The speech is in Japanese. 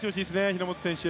日本選手。